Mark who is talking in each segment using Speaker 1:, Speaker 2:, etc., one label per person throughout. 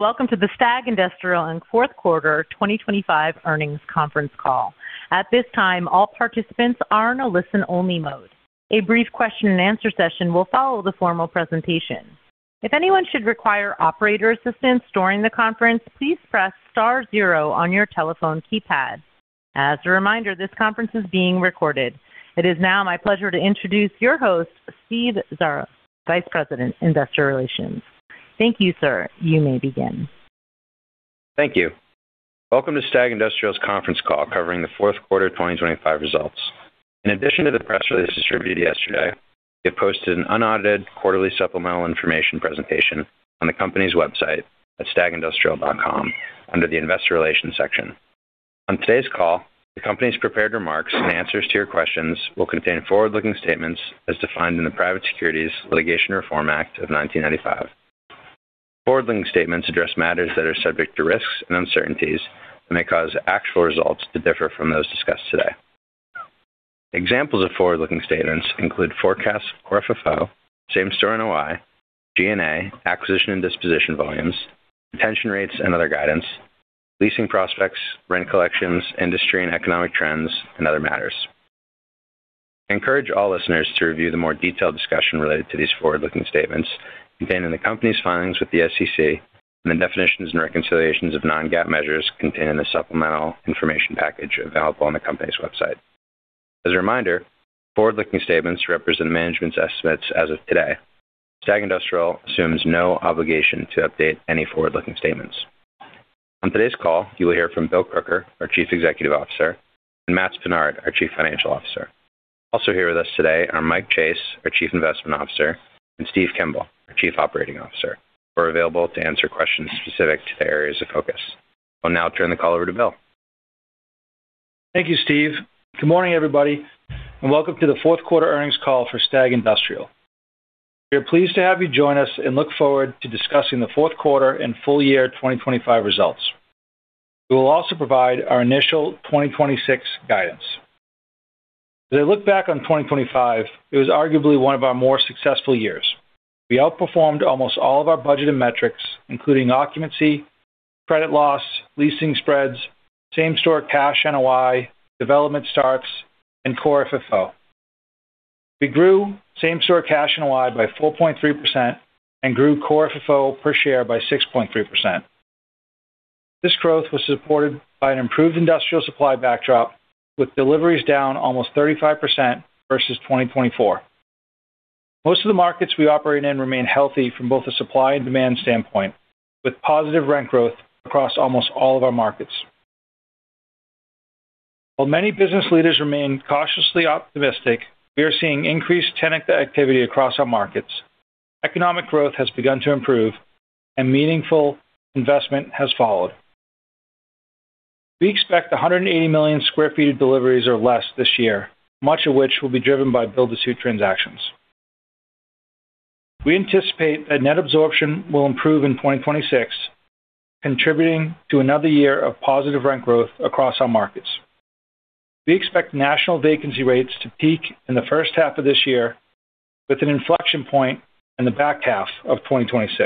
Speaker 1: Welcome to the STAG Industrial fourth quarter 2025 earnings conference call. At this time, all participants are in a listen-only mode. A brief question and answer session will follow the formal presentation. If anyone should require operator assistance during the conference, please press star zero on your telephone keypad. As a reminder, this conference is being recorded. It is now my pleasure to introduce your host, Steve Xiarhos, Vice President, Investor Relations. Thank you, sir. You may begin.
Speaker 2: Thank you. Welcome to STAG Industrial's conference call, covering the fourth quarter of 2025 results. In addition to the press release distributed yesterday, we have posted an unaudited quarterly supplemental information presentation on the company's website at stagindustrial.com under the Investor Relations section. On today's call, the company's prepared remarks and answers to your questions will contain forward-looking statements as defined in the Private Securities Litigation Reform Act of 1995. Forward-looking statements address matters that are subject to risks and uncertainties and may cause actual results to differ from those discussed today. Examples of forward-looking statements include forecasts or FFO, same-store NOI, G&A, acquisition and disposition volumes, retention rates and other guidance, leasing prospects, rent collections, industry and economic trends, and other matters. I encourage all listeners to review the more detailed discussion related to these forward-looking statements contained in the company's filings with the SEC and the definitions and reconciliations of non-GAAP measures contained in the supplemental information package available on the company's website. As a reminder, forward-looking statements represent management's estimates as of today. STAG Industrial assumes no obligation to update any forward-looking statements. On today's call, you will hear from Bill Crooker, our Chief Executive Officer, and Matts Pinard, our Chief Financial Officer. Also here with us today are Mike Chase, our Chief Investment Officer, and Steve Kimball, our Chief Operating Officer, who are available to answer questions specific to their areas of focus. I'll now turn the call over to Bill.
Speaker 3: Thank you, Steve. Good morning, everybody, and welcome to the fourth quarter earnings call for STAG Industrial. We are pleased to have you join us and look forward to discussing the fourth quarter and full year 2025 results. We will also provide our initial 2026 guidance. As I look back on 2025, it was arguably one of our more successful years. We outperformed almost all of our budgeted metrics, including occupancy, credit loss, leasing spreads, same-store cash NOI, development starts, and core FFO. We grew same-store cash NOI by 4.3% and grew core FFO per share by 6.3%. This growth was supported by an improved industrial supply backdrop, with deliveries down almost 35% versus 2024. Most of the markets we operate in remain healthy from both a supply and demand standpoint, with positive rent growth across almost all of our markets. While many business leaders remain cautiously optimistic, we are seeing increased tenant activity across our markets. Economic growth has begun to improve and meaningful investment has followed. We expect 180 million sq ft of deliveries or less this year, much of which will be driven by build-to-suit transactions. We anticipate that net absorption will improve in 2026, contributing to another year of positive rent growth across our markets. We expect national vacancy rates to peak in the first half of this year with an inflection point in the back half of 2026.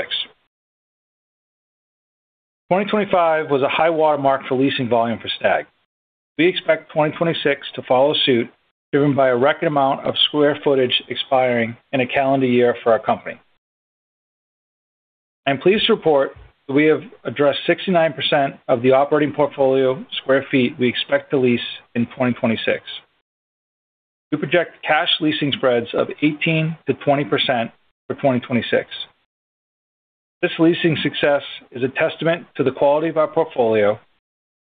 Speaker 3: 2025 was a high watermark for leasing volume for STAG. We expect 2026 to follow suit, driven by a record amount of square footage expiring in a calendar year for our company. I'm pleased to report that we have addressed 69% of the operating portfolio square feet we expect to lease in 2026. We project cash leasing spreads of 18%-20% for 2026. This leasing success is a testament to the quality of our portfolio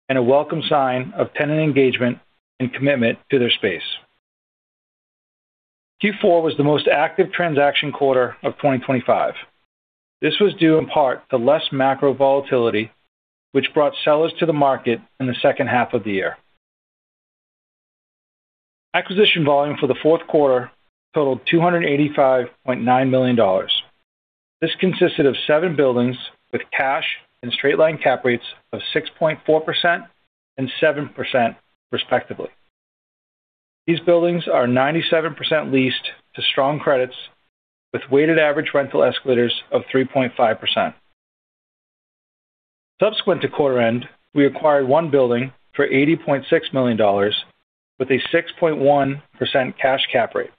Speaker 3: and a welcome sign of tenant engagement and commitment to their space. Q4 was the most active transaction quarter of 2025. This was due in part to less macro volatility, which brought sellers to the market in the second half of the year. Acquisition volume for the fourth quarter totaled $285.9 million. This consisted of 7 buildings, with cash and straight line cap rates of 6.4% and 7%, respectively. These buildings are 97% leased to strong credits, with weighted average rental escalators of 3.5%. Subsequent to quarter end, we acquired one building for $80.6 million with a 6.1% cash cap rate.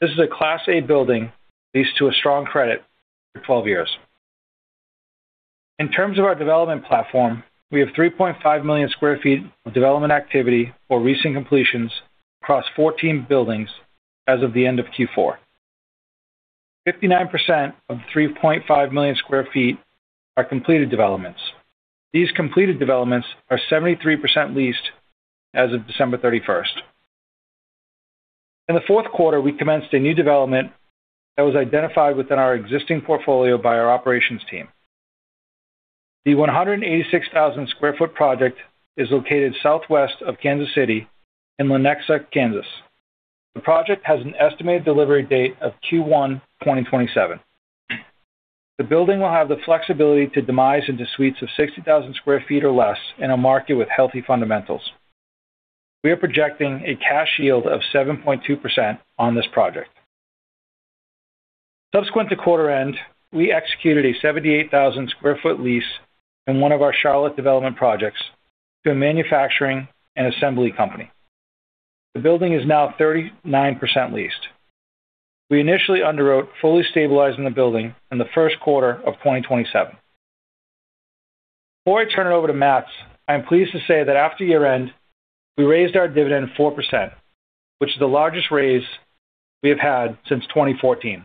Speaker 3: This is a Class A building leased to a strong credit for 12 years. In terms of our development platform, we have 3.5 million sq ft of development activity or recent completions across 14 buildings as of the end of Q4. 59% of the 3.5 million sq ft are completed developments. These completed developments are 73% leased as of December 31. In the fourth quarter, we commenced a new development that was identified within our existing portfolio by our operations team. The 186,000 sq ft project is located southwest of Kansas City in Lenexa, Kansas. The project has an estimated delivery date of Q1 2027. The building will have the flexibility to demise into suites of 60,000 sq ft or less in a market with healthy fundamentals. We are projecting a cash yield of 7.2% on this project. Subsequent to quarter end, we executed a 78,000 sq ft lease in one of our Charlotte development projects to a manufacturing and assembly company. The building is now 39% leased. We initially underwrote, fully stabilizing the building in the first quarter of 2027. Before I turn it over to Matts, I am pleased to say that after year-end, we raised our dividend 4%, which is the largest raise we have had since 2014.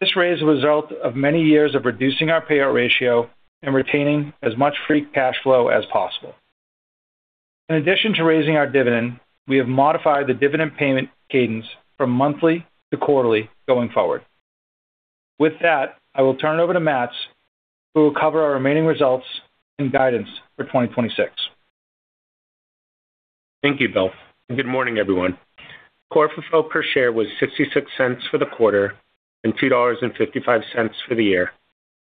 Speaker 3: This raise is a result of many years of reducing our payout ratio and retaining as much free cash flow as possible. In addition to raising our dividend, we have modified the dividend payment cadence from monthly to quarterly going forward. With that, I will turn it over to Matts, who will cover our remaining results and guidance for 2026.
Speaker 4: Thank you, Bill, and good morning, everyone. Core FFO per share was $0.66 for the quarter and $2.55 for the year,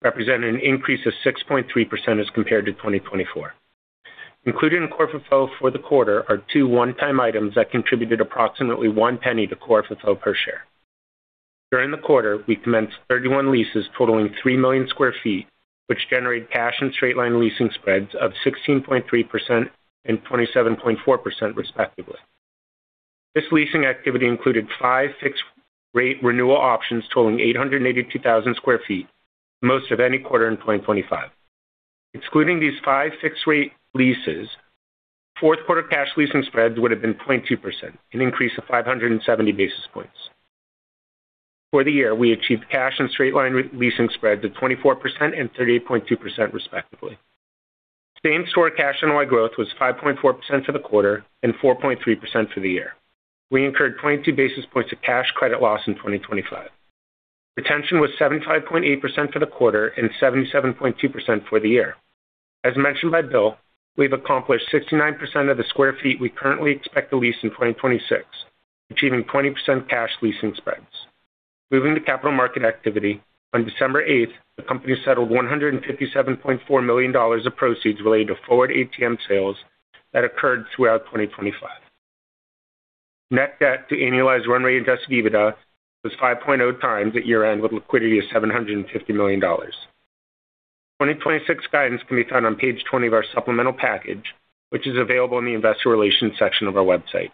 Speaker 4: representing an increase of 6.3% as compared to 2024. Included in core FFO for the quarter are two one-time items that contributed approximately $0.01 to core FFO per share. During the quarter, we commenced 31 leases totaling 3 million sq ft, which generate cash and straight line leasing spreads of 16.3% and 27.4%, respectively. This leasing activity included 5 fixed rate renewal options totaling 882,000 sq ft, most of any quarter in 2025. Excluding these 5 fixed rate leases, fourth quarter cash leasing spreads would have been 0.2%, an increase of 570 basis points. For the year, we achieved cash and straight-line leasing spreads of 24% and 38.2%, respectively. Same-store cash NOI growth was 5.4% for the quarter and 4.3% for the year. We incurred 22 basis points of cash credit loss in 2025. Retention was 75.8% for the quarter and 77.2% for the year. As mentioned by Bill, we've accomplished 69% of the square feet we currently expect to lease in 2026, achieving 20% cash leasing spreads. Moving to capital market activity, on December 8, the company settled $157.4 million of proceeds related to forward ATM sales that occurred throughout 2025. Net debt to annualized Run Rate Adjusted EBITDA was 5.0x at year-end, with liquidity of $750 million. 2026 guidance can be found on page 20 of our supplemental package, which is available in the investor relations section of our website.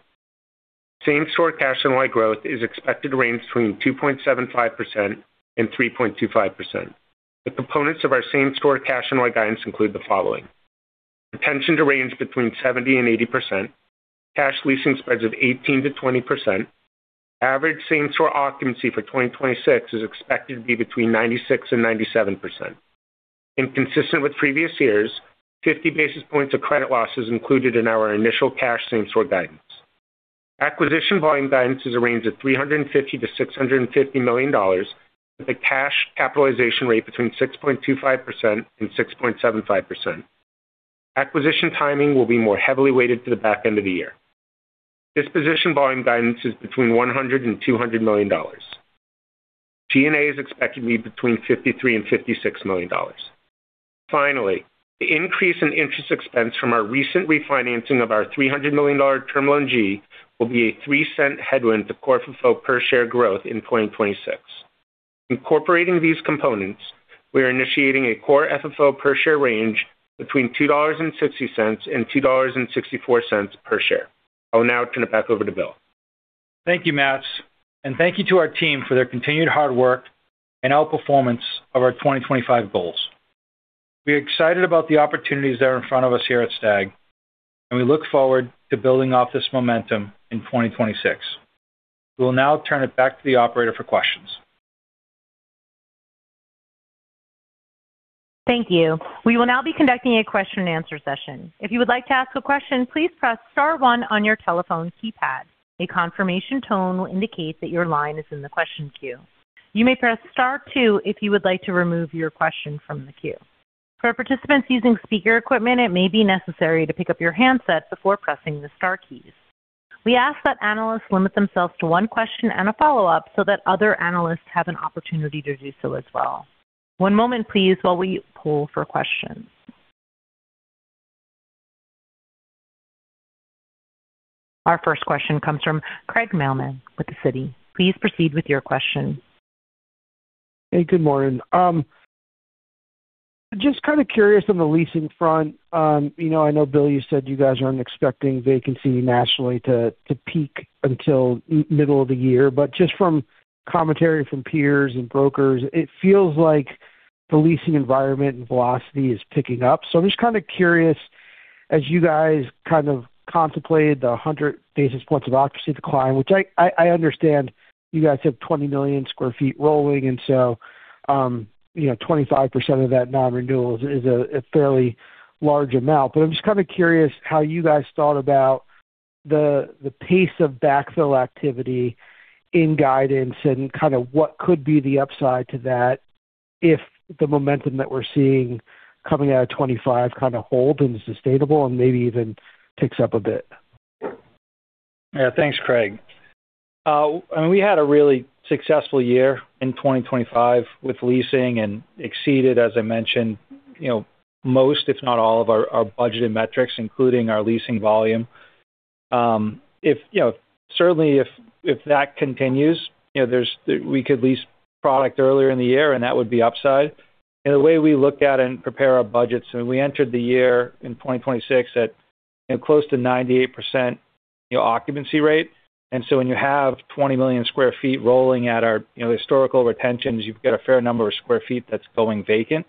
Speaker 4: Same-store cash NOI growth is expected to range between 2.75% and 3.25%. The components of our same-store cash NOI guidance include the following: Retention to range between 70% and 80%. Cash leasing spreads of 18%-20%. Average same-store occupancy for 2026 is expected to be between 96% and 97%. Inconsistent with previous years, 50 basis points of credit loss is included in our initial cash same-store guidance. Acquisition volume guidance is a range of $350 million-$650 million, with a cash capitalization rate between 6.25% and 6.75%. Acquisition timing will be more heavily weighted to the back end of the year. Disposition volume guidance is between $100 million and $200 million. G&A is expected to be between $53 million and $56 million. Finally, the increase in interest expense from our recent refinancing of our $300 million Term Loan G will be a $0.03 headwind to core FFO per share growth in 2026. Incorporating these components, we are initiating a core FFO per share range between $2.60 and $2.64 per share. I will now turn it back over to Bill.
Speaker 3: Thank you, Matts, and thank you to our team for their continued hard work and outperformance of our 2025 goals. We are excited about the opportunities that are in front of us here at STAG, and we look forward to building off this momentum in 2026. We will now turn it back to the operator for questions.
Speaker 1: Thank you. We will now be conducting a question-and-answer session. If you would like to ask a question, please press star one on your telephone keypad. A confirmation tone will indicate that your line is in the question queue. You may press star two if you would like to remove your question from the queue. For participants using speaker equipment, it may be necessary to pick up your handset before pressing the star keys. We ask that analysts limit themselves to one question and a follow-up so that other analysts have an opportunity to do so as well. One moment please while we pull for questions. Our first question comes from Craig Mailman with Citi. Please proceed with your question.
Speaker 5: Hey, good morning. Just kind of curious on the leasing front. You know, I know, Bill, you said you guys aren't expecting vacancy nationally to peak until mid-middle of the year, but just from commentary from peers and brokers, it feels like the leasing environment and velocity is picking up. So I'm just kind of curious, as you guys kind of contemplated the 100 basis points of occupancy decline, which I understand you guys have 20 million sq ft rolling, and so, you know, 25% of that non-renewal is a fairly large amount. But I'm just kind of curious how you guys thought about the pace of backfill activity in guidance and kind of what could be the upside to that if the momentum that we're seeing coming out of 2025 kind of hold and is sustainable and maybe even picks up a bit?...
Speaker 3: Yeah, thanks, Craig. And we had a really successful year in 2025 with leasing and exceeded, as I mentioned, you know, most, if not all, of our, our budgeted metrics, including our leasing volume. If, you know, certainly if, if that continues, you know, there's, we could lease product earlier in the year, and that would be upside. And the way we look at and prepare our budgets, and we entered the year in 2026 at, you know, close to 98% occupancy rate. And so when you have 20 million sq ft rolling at our, you know, historical retentions, you've got a fair number of sq ft that's going vacant.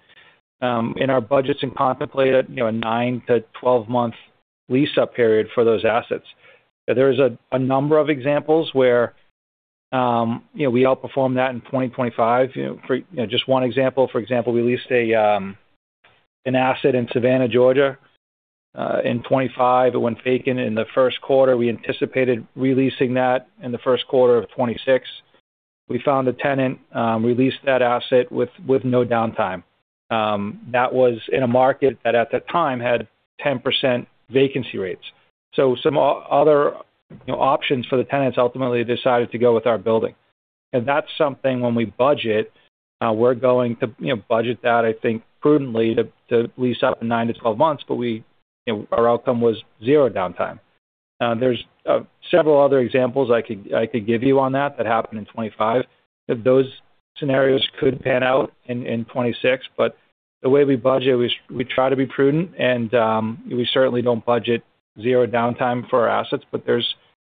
Speaker 3: In our budgets and contemplated, you know, a 9-12-month lease-up period for those assets. There's a number of examples where, you know, we outperformed that in 2025. You know, for just one example, for example, we leased an asset in Savannah, Georgia, in 2025. It went vacant in the first quarter. We anticipated re-leasing that in the first quarter of 2026. We found a tenant, we leased that asset with no downtime. That was in a market that at that time had 10% vacancy rates. So some other, you know, options for the tenants ultimately decided to go with our building. And that's something when we budget, we're going to, you know, budget that, I think, prudently to lease up in 9-12 months. But we, you know, our outcome was zero downtime. There's several other examples I could give you on that that happened in 2025. If those scenarios could pan out in 2026, but the way we budget, we try to be prudent and we certainly don't budget zero downtime for our assets. But there's,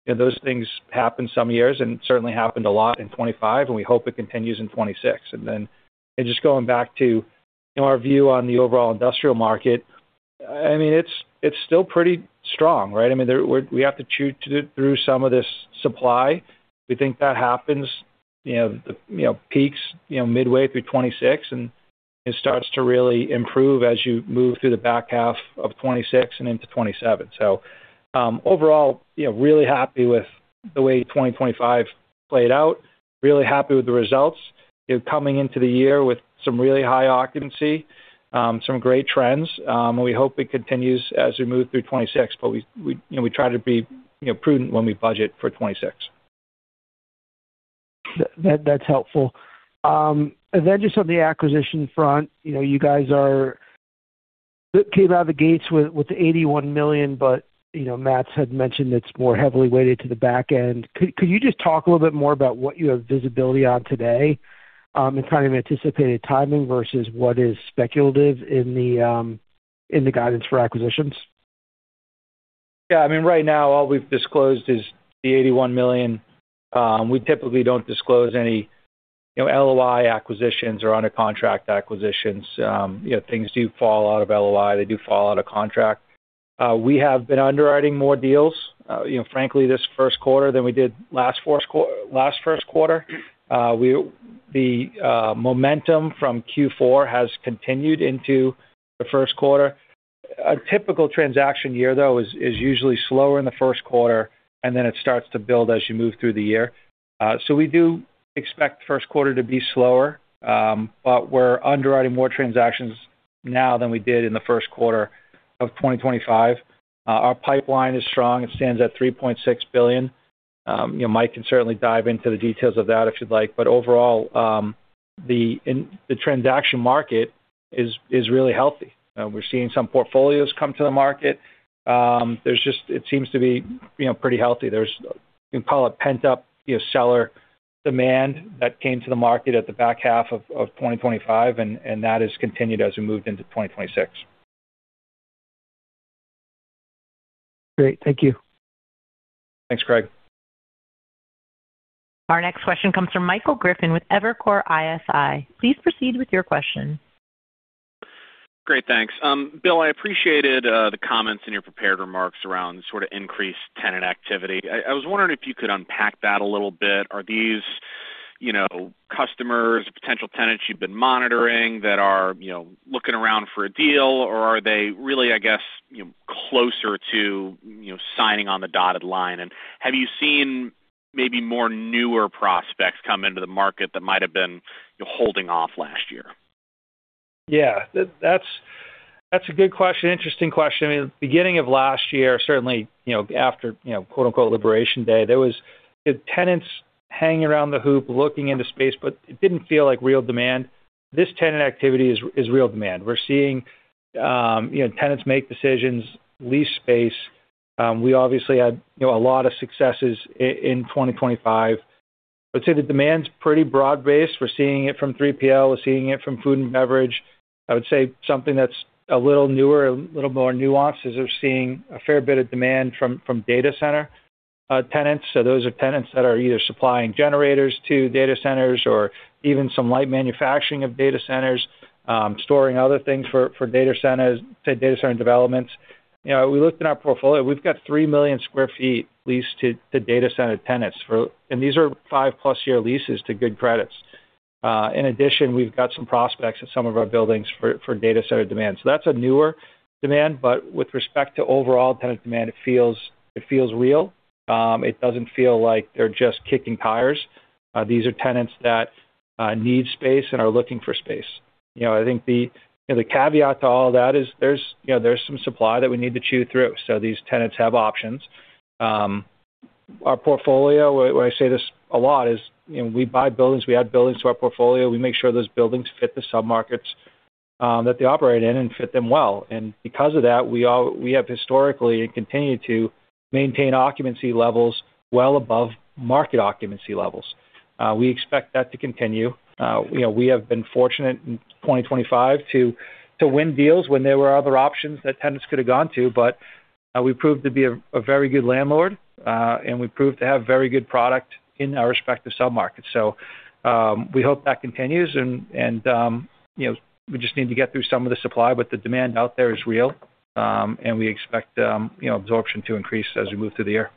Speaker 3: you know, those things happen some years, and it certainly happened a lot in 2025, and we hope it continues in 2026. And then just going back to, you know, our view on the overall industrial market, I mean, it's still pretty strong, right? I mean, there we have to chew through some of this supply. We think that happens, you know, the peaks, you know, midway through 2026, and it starts to really improve as you move through the back half of 2026 and into 2027. So, overall, you know, really happy with the way 2025 played out, really happy with the results. You're coming into the year with some really high occupancy, some great trends, and we hope it continues as we move through 2026. But we, you know, we try to be, you know, prudent when we budget for 2026.
Speaker 5: That, that's helpful. And then just on the acquisition front, you know, you guys are, came out of the gates with, with $81 million, but, you know, Matt had mentioned it's more heavily weighted to the back end. Could, could you just talk a little bit more about what you have visibility on today, and kind of anticipated timing versus what is speculative in the, in the guidance for acquisitions?
Speaker 3: Yeah, I mean, right now all we've disclosed is the $81 million. We typically don't disclose any, you know, LOI acquisitions or under contract acquisitions. You know, things do fall out of LOI. They do fall out of contract. We have been underwriting more deals, you know, frankly, this first quarter than we did last first quarter. The momentum from Q4 has continued into the first quarter. A typical transaction year, though, is usually slower in the first quarter, and then it starts to build as you move through the year. So we do expect the first quarter to be slower, but we're underwriting more transactions now than we did in the first quarter of 2025. Our pipeline is strong. It stands at $3.6 billion. You know, Mike can certainly dive into the details of that if you'd like. But overall, the transaction market is really healthy. We're seeing some portfolios come to the market. There's just, it seems to be, you know, pretty healthy. There's, you call it pent-up, you know, seller demand that came to the market at the back half of 2025, and that has continued as we moved into 2026.
Speaker 5: Great. Thank you.
Speaker 3: Thanks, Craig.
Speaker 1: Our next question comes from Michael Griffin with Evercore ISI. Please proceed with your question.
Speaker 6: Great, thanks. Bill, I appreciated the comments in your prepared remarks around sort of increased tenant activity. I was wondering if you could unpack that a little bit. Are these, you know, customers or potential tenants you've been monitoring that are, you know, looking around for a deal, or are they really, I guess, you know, closer to, you know, signing on the dotted line? And have you seen maybe more newer prospects come into the market that might have been holding off last year?
Speaker 3: Yeah, that's a good question. Interesting question. In the beginning of last year, certainly, you know, after, you know, quote, unquote, "Liberation Day," there was the tenants hanging around the hoop, looking into space, but it didn't feel like real demand. This tenant activity is real demand. We're seeing, you know, tenants make decisions, lease space. We obviously had, you know, a lot of successes in 2025. I'd say the demand's pretty broad-based. We're seeing it from 3PL, we're seeing it from food and beverage. I would say something that's a little newer, a little more nuanced, is we're seeing a fair bit of demand from data center tenants. So those are tenants that are either supplying generators to data centers or even some light manufacturing of data centers, storing other things for data centers, to data center developments. You know, we looked in our portfolio. We've got 3 million sq ft leased to data center tenants for. And these are 5+ year leases to good credits. In addition, we've got some prospects at some of our buildings for data center demand. So that's a newer demand, but with respect to overall tenant demand, it feels real. It doesn't feel like they're just kicking tires. These are tenants that need space and are looking for space. You know, I think the caveat to all of that is there's some supply that we need to chew through. So these tenants have options. Our portfolio, where I say this a lot, is, you know, we buy buildings, we add buildings to our portfolio. We make sure those buildings fit the submarkets that they operate in and fit them well. And because of that, we have historically and continue to maintain occupancy levels well above market occupancy levels. We expect that to continue. You know, we have been fortunate in 2025 to win deals when there were other options that tenants could have gone to. But we proved to be a very good landlord, and we proved to have very good product in our respective submarkets. So, we hope that continues and you know, we just need to get through some of the supply. But the demand out there is real, and we expect you know, absorption to increase as we move through the year.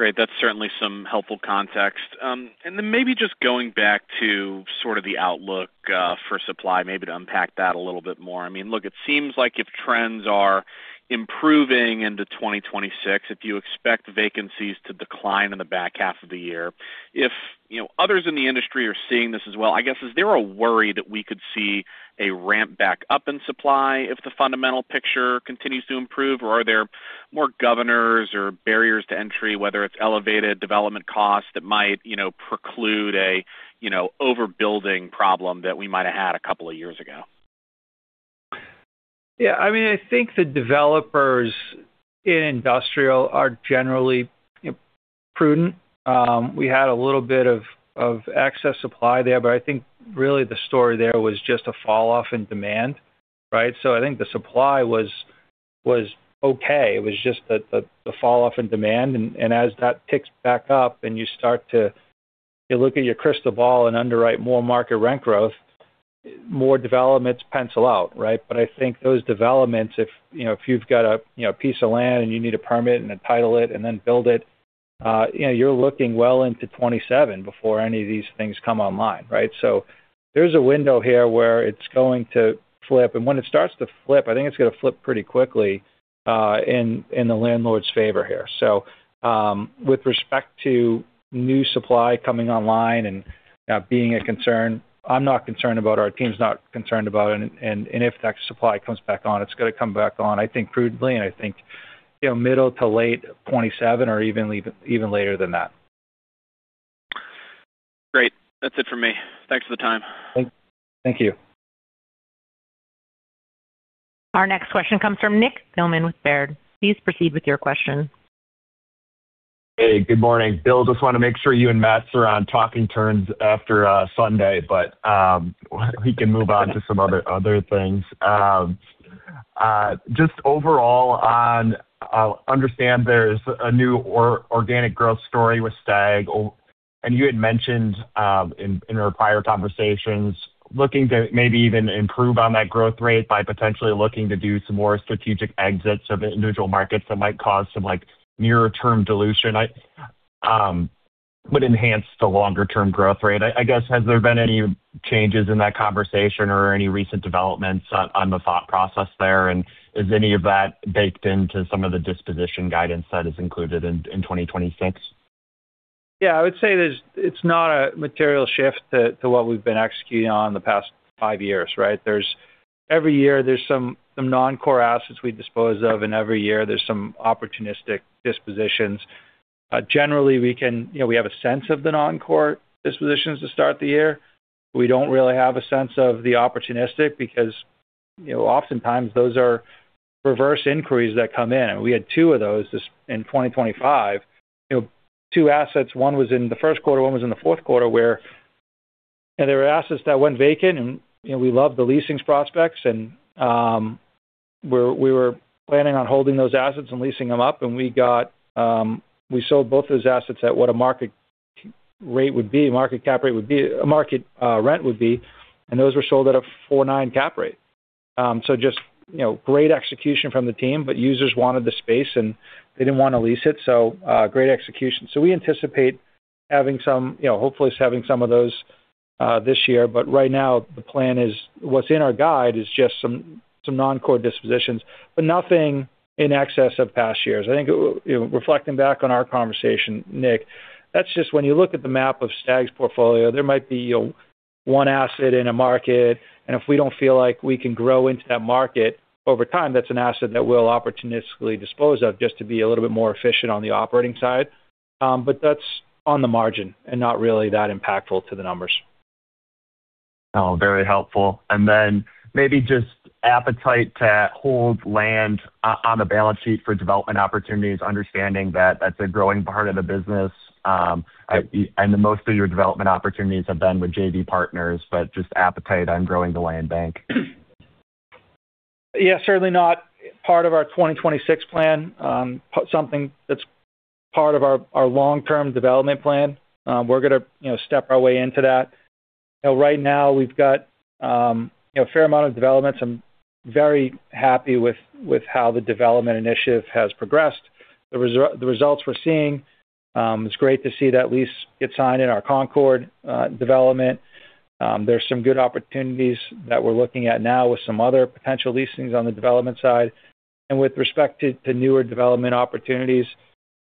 Speaker 6: Great. That's certainly some helpful context. And then maybe just going back to sort of the outlook for supply, maybe to unpack that a little bit more. I mean, look, it seems like if trends are improving into 2026, if you expect vacancies to decline in the back half of the year, if, you know, others in the industry are seeing this as well, I guess, is there a worry that we could see a ramp back up in supply if the fundamental picture continues to improve? Or are there more governors or barriers to entry, whether it's elevated development costs, that might, you know, preclude a, you know, overbuilding problem that we might have had a couple of years ago?
Speaker 3: Yeah, I mean, I think the developers in industrial are generally, you know, prudent. We had a little bit of excess supply there, but I think really the story there was just a falloff in demand, right? So I think the supply was okay. It was just the falloff in demand. And as that picks back up and you start to, you look at your crystal ball and underwrite more market rent growth, more developments pencil out, right? But I think those developments, you know, if you've got a you know piece of land and you need a permit and then title it and then build it, you know, you're looking well into 2027 before any of these things come online, right? So there's a window here where it's going to flip, and when it starts to flip, I think it's going to flip pretty quickly in the landlord's favor here. So with respect to new supply coming online and being a concern, I'm not concerned about it, our team's not concerned about it. And if that supply comes back on, it's going to come back on, I think, prudently, and I think, you know, middle to late 2027 or even late, even later than that.
Speaker 6: Great. That's it for me. Thanks for the time.
Speaker 3: Thank you.
Speaker 1: Our next question comes from Nick Thillman with Baird. Please proceed with your question.
Speaker 7: Hey, good morning. Bill, just want to make sure you and Matt are on talking terms after Sunday, but we can move on to some other things. Just overall on understand there's a new organic growth story with STAG. And you had mentioned in our prior conversations, looking to maybe even improve on that growth rate by potentially looking to do some more strategic exits of individual markets that might cause some, like, nearer-term dilution, but enhance the longer-term growth rate. I guess, has there been any changes in that conversation or any recent developments on the thought process there? And is any of that baked into some of the disposition guidance that is included in 2026?
Speaker 3: Yeah, I would say there's—it's not a material shift to what we've been executing on in the past five years, right? Every year there's some non-core assets we dispose of, and every year there's some opportunistic dispositions. Generally, we can, you know, we have a sense of the non-core dispositions to start the year. We don't really have a sense of the opportunistic because, you know, oftentimes those are reverse inquiries that come in. And we had two of those this, in 2025. You know, two assets, one was in the first quarter, one was in the fourth quarter, where. And there were assets that went vacant and, you know, we loved the leasing prospects, and, we were planning on holding those assets and leasing them up. We got, we sold both those assets at what a market rate would be, market cap rate would be, a market rent would be, and those were sold at a 4.9 cap rate. So just, you know, great execution from the team, but users wanted the space, and they didn't want to lease it, so great execution. So we anticipate having some, you know, hopefully having some of those this year. But right now, the plan is, what's in our guide is just some, some non-core dispositions, but nothing in excess of past years. I think, you know, reflecting back on our conversation, Nick, that's just when you look at the map of STAG's portfolio, there might be, you know, one asset in a market, and if we don't feel like we can grow into that market over time, that's an asset that we'll opportunistically dispose of just to be a little bit more efficient on the operating side. But that's on the margin and not really that impactful to the numbers.
Speaker 7: Oh, very helpful. And then maybe just appetite to hold land on the balance sheet for development opportunities, understanding that that's a growing part of the business, and the most of your development opportunities have been with JV partners, but just appetite on growing the land bank.
Speaker 3: Yeah, certainly not part of our 2026 plan. Something that's part of our long-term development plan. We're going to, you know, step our way into that. Right now, we've got a fair amount of developments. I'm very happy with how the development initiative has progressed. The results we're seeing, it's great to see that lease get signed in our Concord development. There's some good opportunities that we're looking at now with some other potential leasings on the development side. And with respect to newer development opportunities,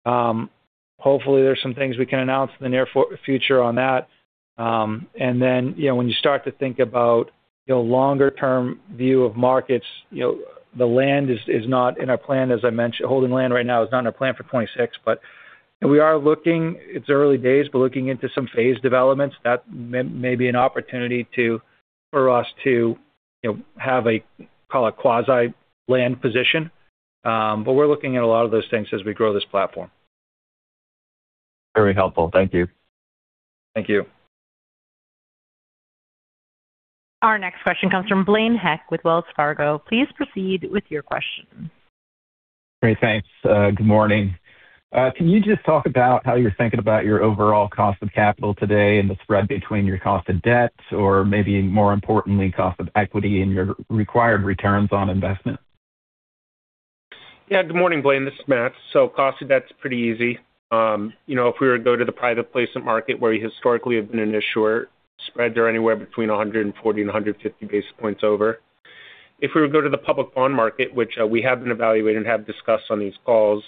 Speaker 3: hopefully, there's some things we can announce in the near future on that. And then, you know, when you start to think about, you know, longer term view of markets, you know, the land is not in our plan, as I mentioned. Holding land right now is not in our plan for 2026, but we are looking. It's early days, but looking into some phase developments that may be an opportunity for us to, you know, have a, call it, quasi land position. But we're looking at a lot of those things as we grow this platform.
Speaker 7: Very helpful. Thank you.
Speaker 3: Thank you.
Speaker 1: Our next question comes from Blaine Heck with Wells Fargo. Please proceed with your question.
Speaker 8: Great, thanks. Good morning. Can you just talk about how you're thinking about your overall cost of capital today and the spread between your cost of debt or maybe more importantly, cost of equity, and your required returns on investment?
Speaker 4: Yeah. Good morning, Blaine, this is Matt. So cost of debt is pretty easy. You know, if we were to go to the private placement market, where we historically have been an issuer, spreads are anywhere between 140 and 150 basis points over. If we were to go to the public bond market, which we have been evaluating and have discussed on these calls,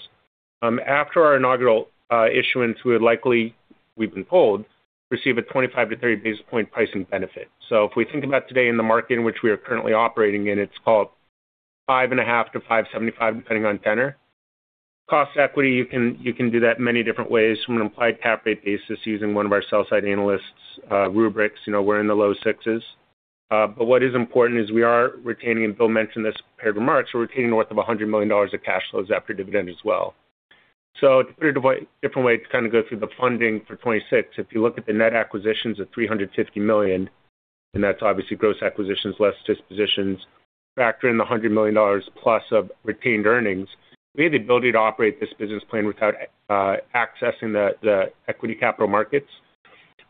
Speaker 4: after our inaugural issuance, we would likely, we've been told, receive a 25-30 basis point pricing benefit. So if we think about today in the market in which we are currently operating in, it's 5.5-5.75, depending on tenor. Cost to equity, you can do that many different ways, from an implied cap rate basis, using one of our sell side analysts' rubrics. You know, we're in the low 6s. But what is important is we are retaining, and Bill mentioned this in prepared remarks, we're retaining north of $100 million of cash flows after dividend as well. So different way to kind of go through the funding for 2026. If you look at the net acquisitions of $350 million, and that's obviously gross acquisitions less dispositions, factor in the $100 million plus of retained earnings, we have the ability to operate this business plan without accessing the equity capital markets.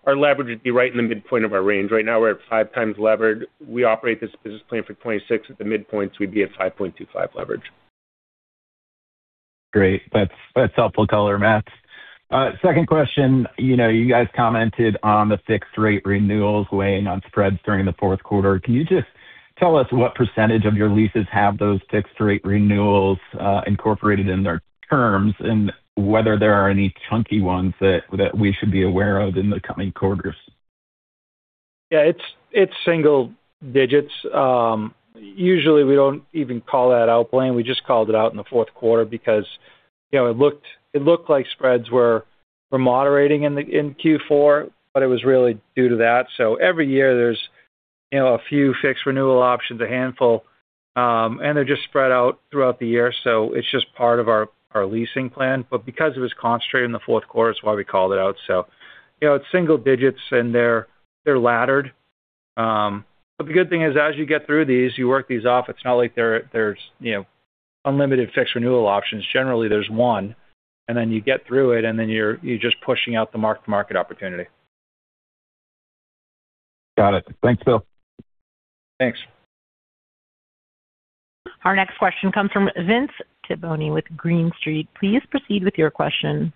Speaker 4: Our leverage would be right in the midpoint of our range. Right now, we're at 5x levered. We operate this business plan for 2026. At the midpoint, we'd be at 5.25 leverage.
Speaker 8: Great. That's, that's helpful color, Matt. Second question. You know, you guys commented on the fixed rate renewals weighing on spreads during the fourth quarter. Can you just tell us what percentage of your leases have those fixed rate renewals, incorporated in their terms, and whether there are any chunky ones that, that we should be aware of in the coming quarters?
Speaker 3: Yeah, it's single digits. Usually we don't even call that out, Blaine. We just called it out in the fourth quarter because, you know, it looked like spreads were moderating in Q4, but it was really due to that. So every year there's, you know, a few fixed renewal options, a handful, and they're just spread out throughout the year, so it's just part of our leasing plan. But because it was concentrated in the fourth quarter, that's why we called it out. So, you know, it's single digits, and they're laddered. But the good thing is, as you get through these, you work these off. It's not like there's, you know, unlimited fixed renewal options. Generally, there's one, and then you get through it, and then you're just pushing out the mark-to-market opportunity.
Speaker 8: Got it. Thanks, Bill.
Speaker 3: Thanks.
Speaker 1: Our next question comes from Vince Tibone with Green Street. Please proceed with your question.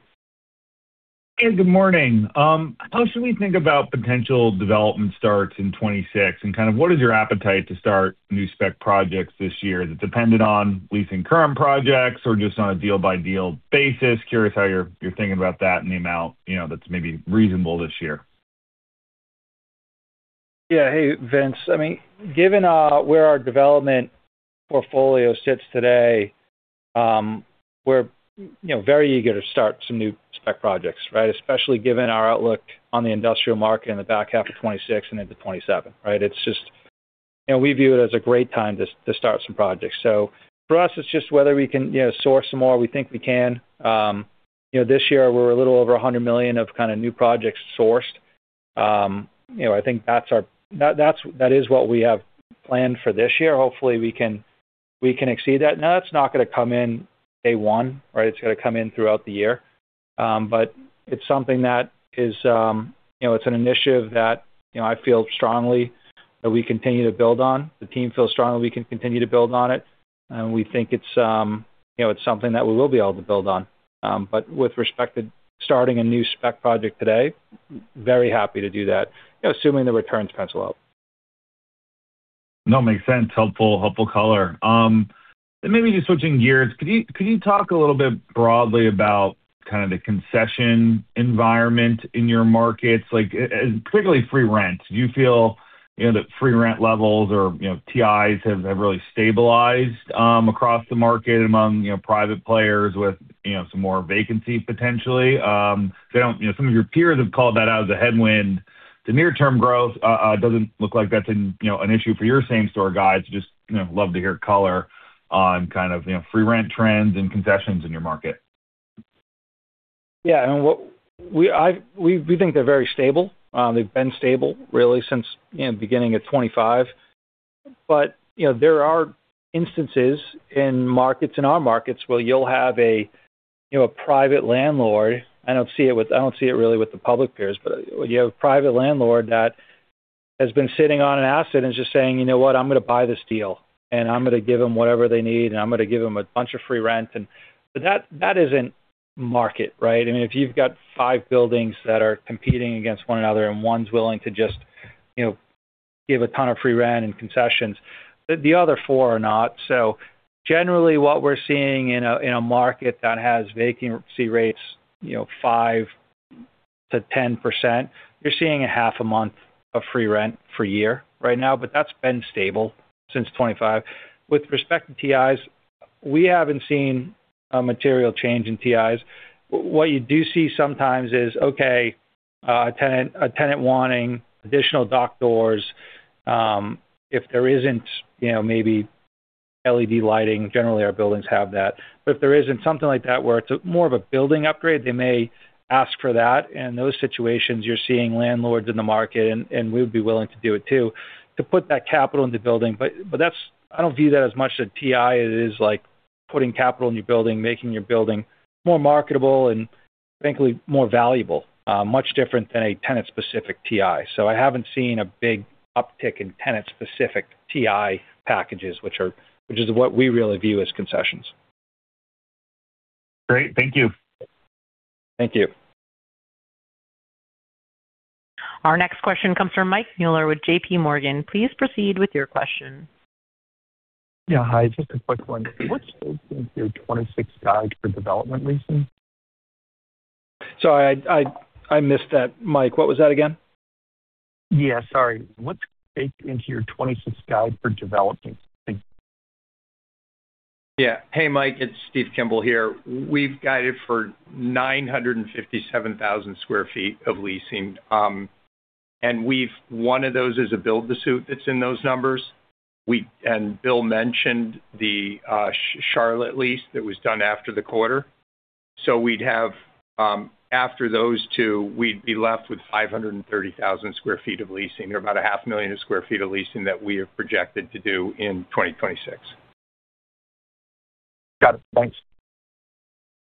Speaker 9: Hey, good morning. How should we think about potential development starts in 2026, and kind of what is your appetite to start new spec projects this year? Is it dependent on leasing current projects or just on a deal-by-deal basis? Curious how you're thinking about that and the amount, you know, that's maybe reasonable this year.
Speaker 3: Yeah. Hey, Vince. I mean, given where our development portfolio sits today, we're, you know, very eager to start some new spec projects, right? Especially given our outlook on the industrial market in the back half of 2026 and into 2027, right? It's just, you know, we view it as a great time to start some projects. So for us, it's just whether we can, you know, source some more. We think we can. You know, this year we're a little over $100 million of kind of new projects sourced. You know, I think that's our-- that, that's, that is what we have planned for this year. Hopefully, we can exceed that. Now, that's not gonna come in day one, right? It's gonna come in throughout the year. But it's something that is, you know, it's an initiative that, you know, I feel strongly that we continue to build on. The team feels strongly we can continue to build on it, and we think it's, you know, it's something that we will be able to build on. But with respect to starting a new spec project today, very happy to do that, you know, assuming the returns pencil out.
Speaker 9: No, makes sense. Helpful, helpful color. And maybe just switching gears, could you talk a little bit broadly about kind of the concession environment in your markets, like, particularly free rent? Do you feel, you know, that free rent levels or, you know, TIs have really stabilized across the market among, you know, private players with, you know, some more vacancy potentially? They don't... You know, some of your peers have called that out as a headwind to near-term growth. Doesn't look like that's an, you know, an issue for your same-store guys. Just, you know, love to hear color on kind of, you know, free rent trends and concessions in your market.
Speaker 3: Yeah, and what we think they're very stable. They've been stable really since, you know, beginning of 2025. But, you know, there are instances in markets, in our markets, where you'll have a, you know, a private landlord. I don't see it really with the public peers, but you have a private landlord that has been sitting on an asset and just saying: You know what? I'm gonna buy this deal, and I'm gonna give them whatever they need, and I'm gonna give them a bunch of free rent. And but that, that isn't market, right? I mean, if you've got five buildings that are competing against one another, and one's willing to just, you know, give a ton of free rent and concessions. The other four are not. So generally, what we're seeing in a market that has vacancy rates, you know, 5%-10%, you're seeing a half a month of free rent for a year right now, but that's been stable since 2025. With respect to TIs, we haven't seen a material change in TIs. What you do see sometimes is, okay, a tenant wanting additional dock doors. If there isn't, you know, maybe LED lighting, generally, our buildings have that. But if there isn't something like that, where it's more of a building upgrade, they may ask for that. And in those situations, you're seeing landlords in the market, and we would be willing to do it too, to put that capital in the building. I don't view that as much as a TI as it is, like, putting capital in your building, making your building more marketable and frankly, more valuable. Much different than a tenant-specific TI. So I haven't seen a big uptick in tenant-specific TI packages, which is what we really view as concessions. Great. Thank you. Thank you.
Speaker 1: Our next question comes from Mike Mueller with JP Morgan. Please proceed with your question.
Speaker 10: Yeah. Hi, just a quick one. What's your 2026 guide for development leasing?
Speaker 3: Sorry, I missed that, Mike. What was that again?
Speaker 10: Yeah, sorry. What's baked into your 2026 guide for developing?
Speaker 11: Yeah. Hey, Mike, it's Steve Kimball here. We've guided for 957,000 sq ft of leasing. And one of those is a build-to-suit that's in those numbers. And Bill mentioned the Charlotte lease that was done after the quarter. So we'd have, after those two, we'd be left with 530,000 sq ft of leasing, or about 500,000 sq ft of leasing that we have projected to do in 2026.
Speaker 10: Got it. Thanks.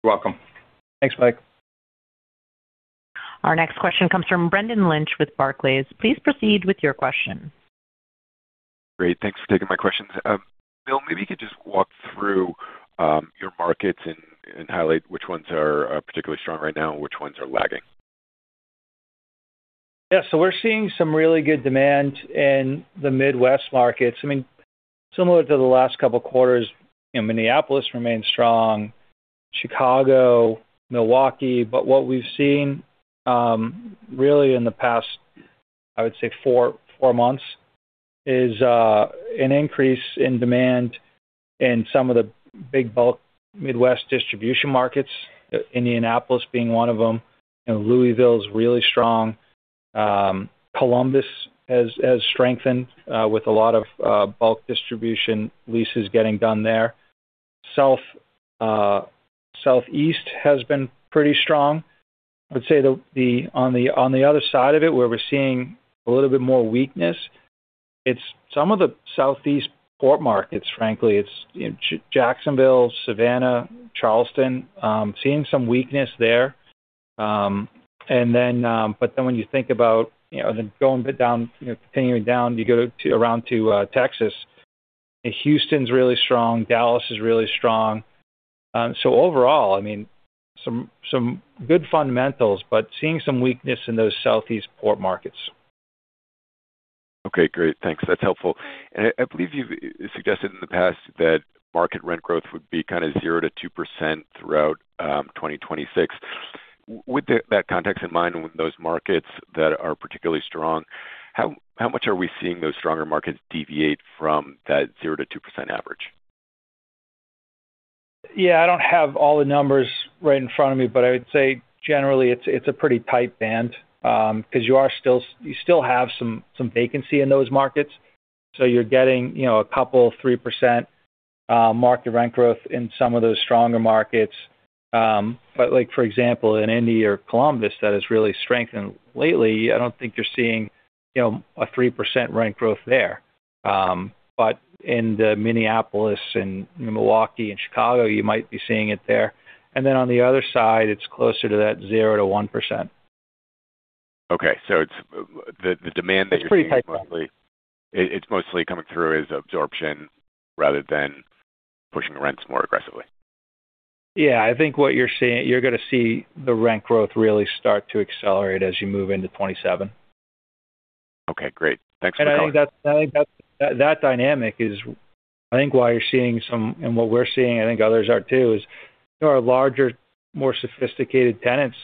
Speaker 3: You're welcome. Thanks, Mike.
Speaker 1: Our next question comes from Brendan Lynch with Barclays. Please proceed with your question.
Speaker 12: Great. Thanks for taking my questions. Bill, maybe you could just walk through your markets and highlight which ones are particularly strong right now and which ones are lagging.
Speaker 3: Yeah. So we're seeing some really good demand in the Midwest markets. I mean, similar to the last couple of quarters, you know, Minneapolis remains strong, Chicago, Milwaukee. But what we've seen really in the past, I would say four months, is an increase in demand in some of the big bulk Midwest distribution markets, Indianapolis being one of them, and Louisville is really strong. Columbus has strengthened with a lot of bulk distribution leases getting done there. South, Southeast has been pretty strong. I'd say on the other side of it, where we're seeing a little bit more weakness, it's some of the Southeast port markets, frankly, it's Jacksonville, Savannah, Charleston, seeing some weakness there. But then when you think about, you know, going down, you know, continuing down, you go to around to Texas. Houston's really strong, Dallas is really strong. So overall, I mean, some good fundamentals, but seeing some weakness in those southeast port markets.
Speaker 12: Okay, great. Thanks. That's helpful. And I believe you've suggested in the past that market rent growth would be kind of 0%-2% throughout 2026. With that context in mind, with those markets that are particularly strong, how much are we seeing those stronger markets deviate from that 0%-2% average?
Speaker 3: Yeah, I don't have all the numbers right in front of me, but I would say generally it's a pretty tight band, because you are still, you still have some vacancy in those markets, so you're getting, you know, a couple, 3% market rent growth in some of those stronger markets. But like, for example, in Indy or Columbus, that has really strengthened lately, I don't think you're seeing, you know, a 3% rent growth there. But in the Minneapolis and Milwaukee and Chicago, you might be seeing it there. And then on the other side, it's closer to that 0%-1%.
Speaker 12: Okay. So it's the demand that you're seeing-
Speaker 3: It's pretty tight.
Speaker 12: It's mostly coming through as absorption rather than pushing rents more aggressively.
Speaker 3: Yeah. I think what you're seeing, you're gonna see the rent growth really start to accelerate as you move into 2027.
Speaker 12: Okay, great. Thanks for-
Speaker 3: I think that dynamic is, I think, why you're seeing some... And what we're seeing, I think others are too, is there are larger, more sophisticated tenants,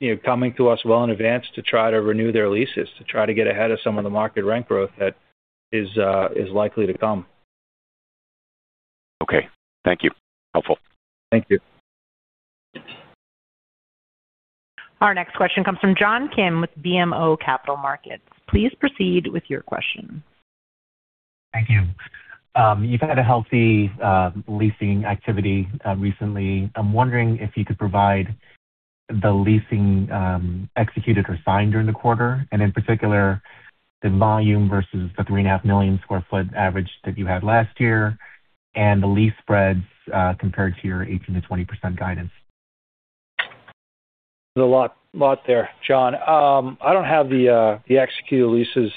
Speaker 3: you know, coming to us well in advance to try to renew their leases, to try to get ahead of some of the market rent growth that is likely to come.
Speaker 12: Okay. Thank you. Helpful.
Speaker 3: Thank you.
Speaker 1: Our next question comes from John Kim with BMO Capital Markets. Please proceed with your question.
Speaker 13: Thank you. You've had a healthy leasing activity recently. I'm wondering if you could provide the leasing executed or signed during the quarter, and in particular, the volume versus the 3.5 million sq ft average that you had last year, and the lease spreads compared to your 18%-20% guidance.
Speaker 3: There's a lot, lot there, John. I don't have the executed leases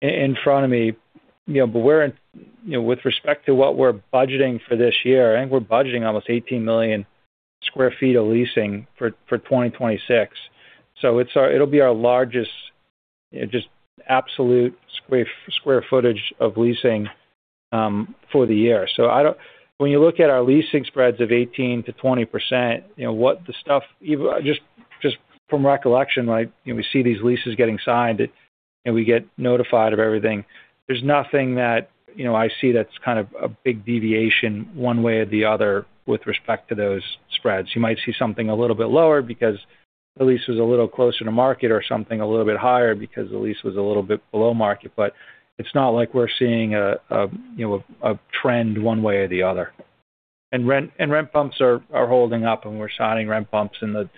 Speaker 3: in front of me, you know, but we're in, you know, with respect to what we're budgeting for this year, I think we're budgeting almost 18 million sq ft of leasing for 2026. So it'll be our largest, just absolute square, square footage of leasing for the year. So I don't—when you look at our leasing spreads of 18%-20%, you know, what the stuff, even just, just from recollection, like, you know, we see these leases getting signed, and we get notified of everything. There's nothing that, you know, I see that's kind of a big deviation one way or the other with respect to those spreads. You might see something a little bit lower because the lease was a little closer to market or something a little bit higher because the lease was a little bit below market, but it's not like we're seeing, you know, a trend one way or the other. Rent bumps are holding up, and we're signing rent bumps in the,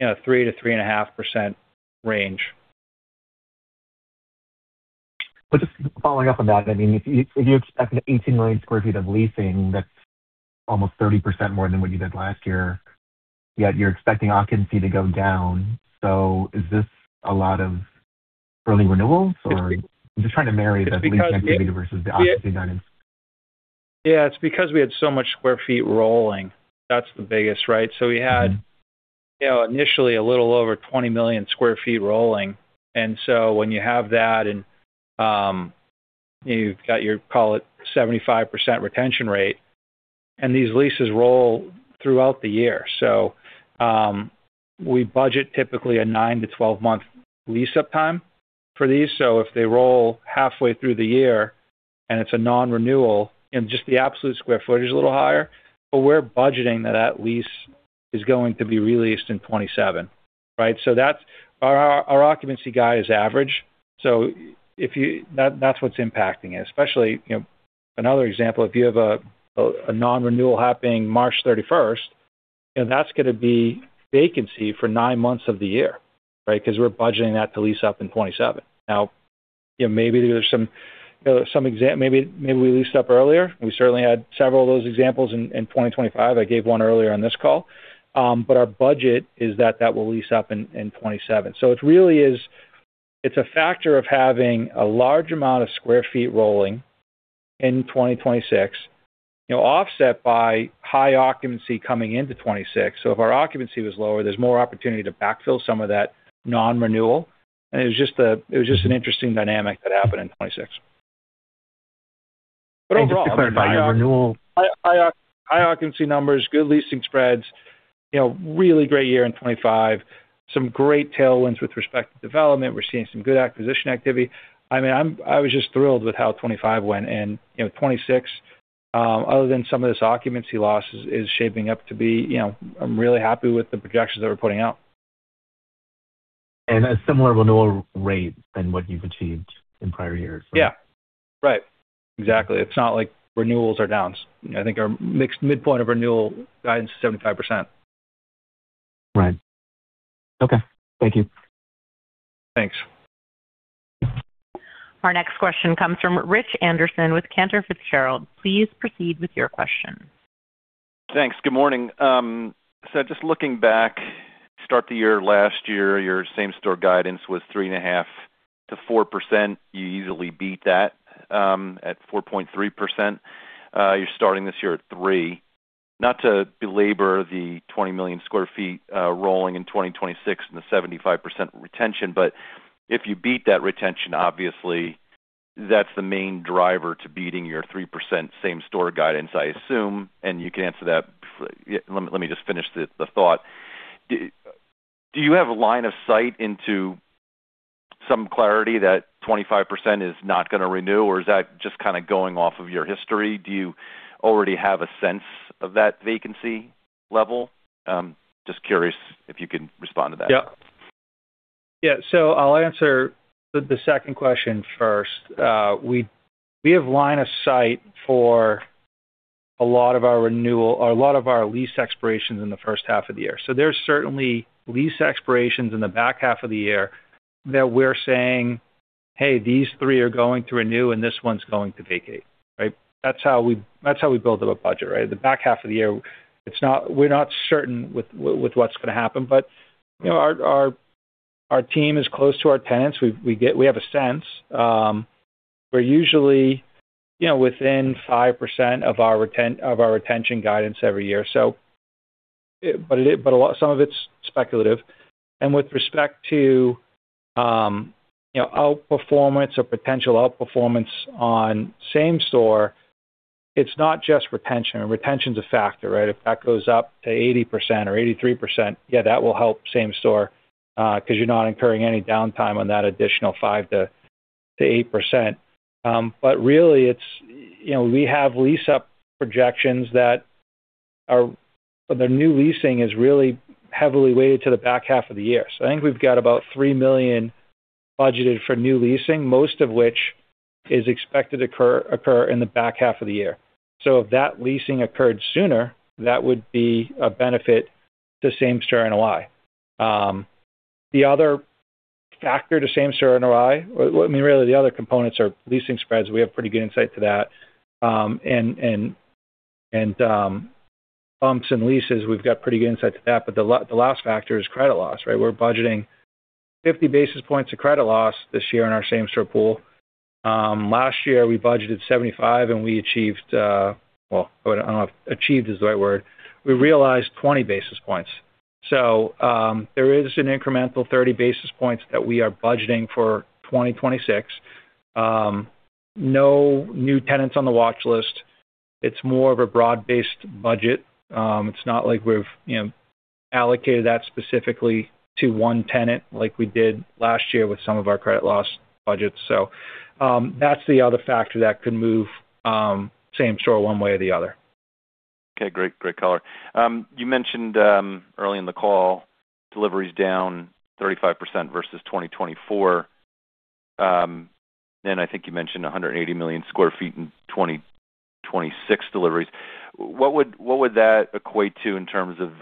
Speaker 3: you know, 3%-3.5% range.
Speaker 13: But just following up on that, I mean, if you, if you expect 18 million sq ft of leasing, that's almost 30% more than what you did last year, yet you're expecting occupancy to go down. So is this a lot of early renewals, or? I'm just trying to marry the leasing activity versus the occupancy guidance.
Speaker 3: Yeah, it's because we had so much square feet rolling. That's the biggest, right?
Speaker 13: Mm-hmm.
Speaker 3: So we had, you know, initially a little over 20 million sq ft rolling. And so when you have that and, you've got your, call it, 75% retention rate, and these leases roll throughout the year. So, we budget typically a 9- to 12-month lease-up time for these. So if they roll halfway through the year and it's a non-renewal, and just the absolute square footage is a little higher, but we're budgeting that, that lease is going to be re-leased in 2027, right? So that's our occupancy guide is average, so if you that, that's what's impacting it. Especially, you know, another example, if you have a non-renewal happening March 31, you know, that's gonna be vacancy for 9 months of the year, right? Because we're budgeting that to lease up in 2027. Now, you know, maybe there's some, you know, maybe we leased up earlier. We certainly had several of those examples in 2025. I gave one earlier on this call. But our budget is that that will lease up in 2027. So it really is, it's a factor of having a large amount of square feet rolling in 2026, you know, offset by high occupancy coming into 2026. So if our occupancy was lower, there's more opportunity to backfill some of that non-renewal. And it was just an interesting dynamic that happened in 2026.
Speaker 13: Just to clarify, your renewal-
Speaker 3: High, high occupancy numbers, good leasing spreads, you know, really great year in 2025. Some great tailwinds with respect to development. We're seeing some good acquisition activity. I mean, I was just thrilled with how 2025 went. And, you know, 2026, other than some of this occupancy loss, is shaping up to be, you know, I'm really happy with the projections that we're putting out.
Speaker 13: A similar renewal rate than what you've achieved in prior years?
Speaker 3: Yeah, right. Exactly. It's not like renewals are down. I think our mixed midpoint of renewal guidance is 75%.
Speaker 13: Right. Okay, thank you.
Speaker 3: Thanks.
Speaker 1: Our next question comes from Rich Anderson with Cantor Fitzgerald. Please proceed with your question.
Speaker 14: Thanks. Good morning. So just looking back, start the year last year, your same-store guidance was 3.5%-4%. You easily beat that, at 4.3%. You're starting this year at 3%. Not to belabor the 20 million sq ft, rolling in 2026 and the 75% retention, but if you beat that retention, obviously that's the main driver to beating your 3% same-store guidance, I assume, and you can answer that. Yeah, let me just finish the thought. Do you have a line of sight into some clarity that 25% is not gonna renew, or is that just kind of going off of your history? Do you already have a sense of that vacancy level? Just curious if you can respond to that.
Speaker 3: Yeah. Yeah, so I'll answer the second question first. We have line of sight for a lot of our renewal or a lot of our lease expirations in the first half of the year. So there's certainly lease expirations in the back half of the year that we're saying, "Hey, these three are going to renew, and this one's going to vacate." Right? That's how we build up a budget, right? The back half of the year, it's not. We're not certain with what's gonna happen, but you know, our team is close to our tenants. We get. We have a sense. We're usually, you know, within 5% of our retention guidance every year. So, but a lot, some of it's speculative. With respect to, you know, outperformance or potential outperformance on same-store, it's not just retention. Retention is a factor, right? If that goes up to 80% or 83%, yeah, that will help same-store, because you're not incurring any downtime on that additional 5%-8%. But really, it's, you know, we have lease-up projections that are, the new leasing is really heavily weighted to the back half of the year. So I think we've got about $3 million budgeted for new leasing, most of which is expected to occur in the back half of the year. So if that leasing occurred sooner, that would be a benefit to same-store NOI. The other factor to same-store NOI, I mean, really the other components are leasing spreads. We have pretty good insight to that. Acquisitions and leases, we've got pretty good insight to that, but the last factor is credit loss, right? We're budgeting 50 basis points of credit loss this year in our same-store pool. Last year, we budgeted 75, and we achieved, well, I don't know if achieved is the right word. We realized 20 basis points. So, there is an incremental 30 basis points that we are budgeting for 2026. No new tenants on the watch list. It's more of a broad-based budget. It's not like we've, you know, allocated that specifically to one tenant, like we did last year with some of our credit loss budgets. So, that's the other factor that could move same-store one way or the other.
Speaker 14: Okay, great. Great color. You mentioned early in the call, delivery's down 35% versus 2024. And I think you mentioned 180 million sq ft in 2026 deliveries. What would that equate to in terms of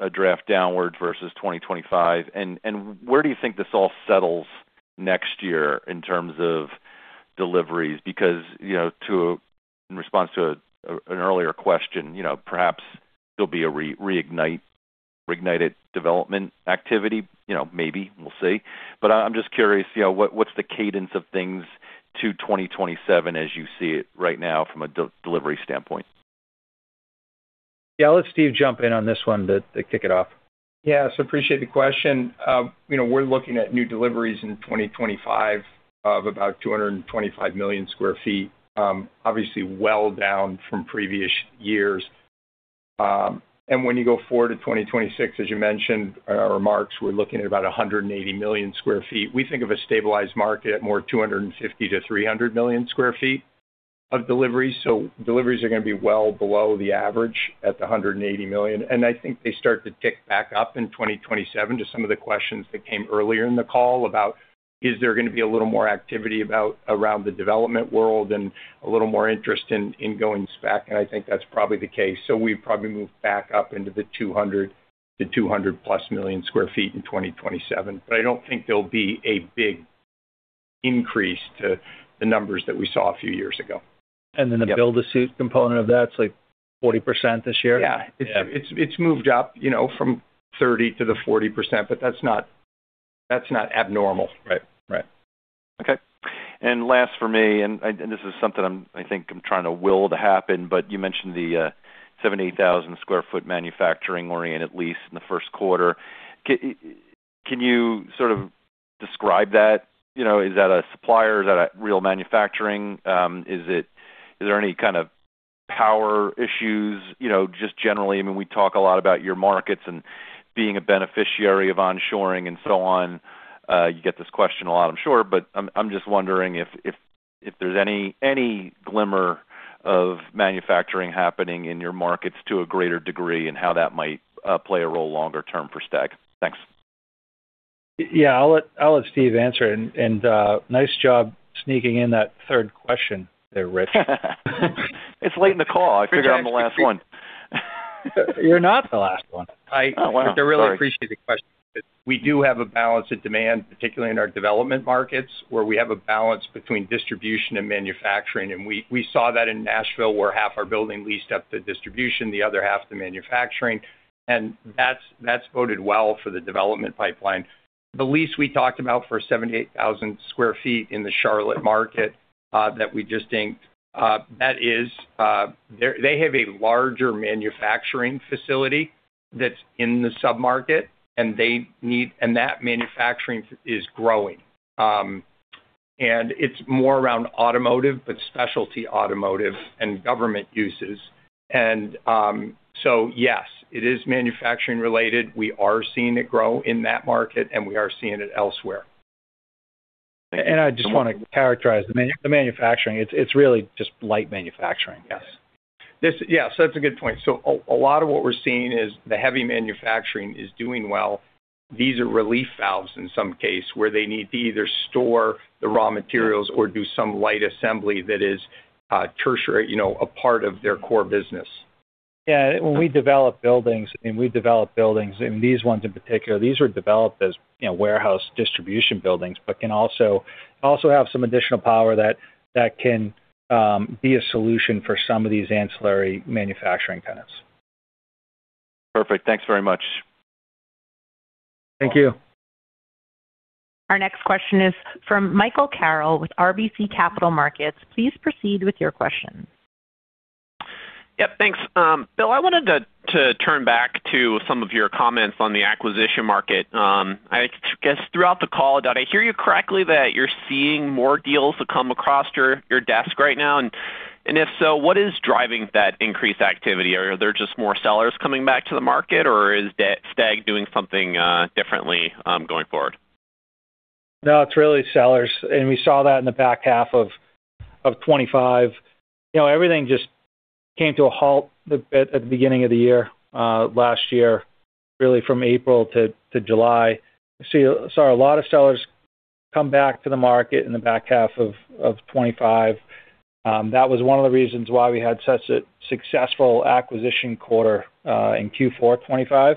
Speaker 14: a draft downward versus 2025? And where do you think this all settles next year in terms of deliveries? Because, you know, in response to an earlier question, you know, perhaps there'll be a reignited development activity. You know, maybe, we'll see. But I'm just curious, you know, what's the cadence of things to 2027, as you see it right now from a delivery standpoint?
Speaker 3: Yeah, I'll let Steve jump in on this one to kick it off.
Speaker 11: Yeah. So appreciate the question. You know, we're looking at new deliveries in 2025 of about 225 million sq ft. Obviously, well down from previous years. And when you go forward to 2026, as you mentioned, in our remarks, we're looking at about 180 million sq ft. We think of a stabilized market at more 250-300 million sq ft of delivery. So deliveries are going to be well below the average at the 180 million, and I think they start to tick back up in 2027 to some of the questions that came earlier in the call about, is there going to be a little more activity about around the development world and a little more interest in, in going back? And I think that's probably the case. We've probably moved back up into the 200-200+ million sq ft in 2027. But I don't think there'll be a big increase to the numbers that we saw a few years ago.
Speaker 3: And then the Build-to-Suit component of that, it's like 40% this year?
Speaker 11: Yeah.
Speaker 3: Yeah.
Speaker 11: It's moved up, you know, from 30%-40%, but that's not abnormal, right? Right.
Speaker 14: Okay. And last for me, and this is something I'm—I think I'm trying to will to happen, but you mentioned the 78,000 sq ft manufacturing-oriented lease in the first quarter. Can you sort of describe that? You know, is that a supplier, is that a real manufacturing? Is there any kind of power issues? You know, just generally, I mean, we talk a lot about your markets and being a beneficiary of onshoring and so on. You get this question a lot, I'm sure. But I'm just wondering if there's any glimmer of manufacturing happening in your markets to a greater degree and how that might play a role longer term for STAG. Thanks.
Speaker 3: Yeah, I'll let, I'll let Steve answer. And, nice job sneaking in that third question there, Rich.
Speaker 14: It's late in the call. I figured I'm the last one.
Speaker 3: You're not the last one.
Speaker 14: Oh, wow. Sorry.
Speaker 11: I really appreciate the question. We do have a balance of demand, particularly in our development markets, where we have a balance between distribution and manufacturing. And we saw that in Nashville, where half our building leased up to distribution, the other half to manufacturing, and that's boded well for the development pipeline. The lease we talked about for 78,000 sq ft in the Charlotte market that we just inked, that is. They have a larger manufacturing facility that's in the submarket, and they need, and that manufacturing is growing. And it's more around automotive, but specialty automotive and government uses. And so yes, it is manufacturing-related. We are seeing it grow in that market, and we are seeing it elsewhere.
Speaker 3: I just want to characterize the manufacturing. It's really just light manufacturing. Yes.
Speaker 11: Yeah, so that's a good point. So a lot of what we're seeing is the heavy manufacturing is doing well. These are relief valves in some case, where they need to either store the raw materials or do some light assembly that is tertiary, you know, a part of their core business.
Speaker 3: Yeah, when we develop buildings, and we develop buildings, and these ones in particular, these are developed as, you know, warehouse distribution buildings, but can also, also have some additional power that, that can, be a solution for some of these ancillary manufacturing tenants.
Speaker 14: Perfect. Thanks very much.
Speaker 3: Thank you.
Speaker 1: Our next question is from Michael Carroll with RBC Capital Markets. Please proceed with your question.
Speaker 15: Yep, thanks. Bill, I wanted to turn back to some of your comments on the acquisition market. I guess throughout the call, did I hear you correctly that you're seeing more deals that come across your desk right now? And if so, what is driving that increased activity? Are there just more sellers coming back to the market, or is STAG doing something differently going forward?
Speaker 3: No, it's really sellers, and we saw that in the back half of 2025. You know, everything just came to a halt a bit at the beginning of the year last year, really, from April to July. So saw a lot of sellers come back to the market in the back half of 2025. That was one of the reasons why we had such a successful acquisition quarter in Q4 2025.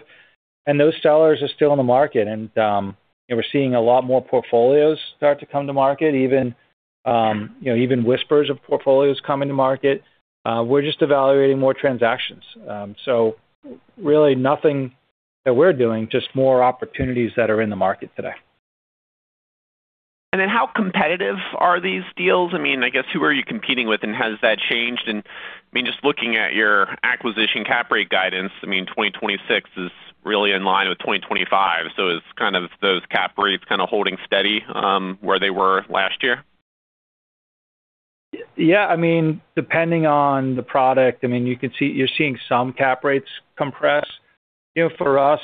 Speaker 3: And those sellers are still in the market. And we're seeing a lot more portfolios start to come to market, even whispers of portfolios coming to market. We're just evaluating more transactions. So really nothing that we're doing, just more opportunities that are in the market today.
Speaker 15: And then how competitive are these deals? I mean, I guess, who are you competing with, and has that changed? And, I mean, just looking at your acquisition cap rate guidance, I mean, 2026 is really in line with 2025, so it's kind of those cap rates kind of holding steady, where they were last year?
Speaker 3: Yeah, I mean, depending on the product, I mean, you can see—you're seeing some cap rates compress. You know, for us,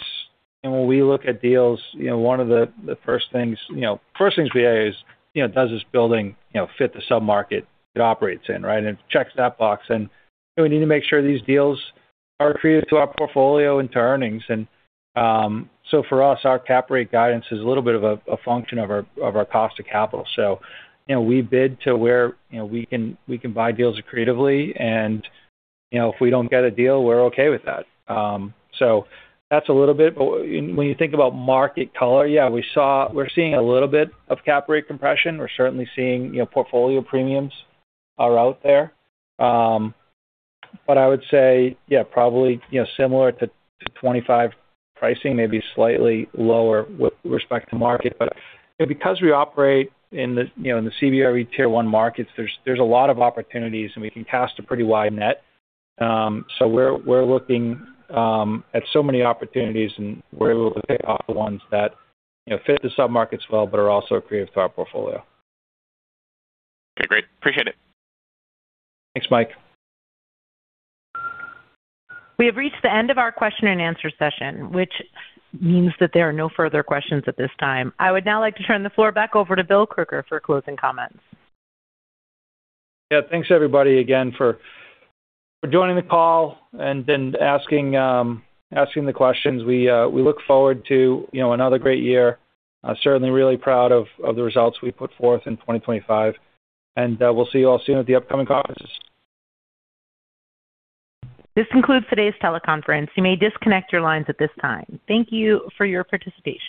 Speaker 3: and when we look at deals, you know, one of the first things, you know, first things we ask, you know, does this building, you know, fit the submarket it operates in, right? And it checks that box, and we need to make sure these deals are accretive to our portfolio and to earnings. And so for us, our cap rate guidance is a little bit of a function of our cost of capital. So, you know, we bid to where, you know, we can buy deals accretively, and, you know, if we don't get a deal, we're okay with that. So that's a little bit, but when you think about market color, yeah, we're seeing a little bit of cap rate compression. We're certainly seeing, you know, portfolio premiums are out there. But I would say, yeah, probably, you know, similar to 25 pricing, maybe slightly lower with respect to market. But because we operate in the, you know, in the CBRE Tier One markets, there's a lot of opportunities, and we can cast a pretty wide net. So we're looking at so many opportunities, and we're able to pick off the ones that, you know, fit the submarkets well but are also accretive to our portfolio.
Speaker 15: Okay, great. Appreciate it.
Speaker 3: Thanks, Mike.
Speaker 1: We have reached the end of our question-and-answer session, which means that there are no further questions at this time. I would now like to turn the floor back over to Bill Crooker for closing comments.
Speaker 3: Yeah, thanks, everybody, again, for joining the call and then asking the questions. We look forward to, you know, another great year. Certainly really proud of the results we put forth in 2025, and we'll see you all soon at the upcoming conferences.
Speaker 1: This concludes today's teleconference. You may disconnect your lines at this time. Thank you for your participation.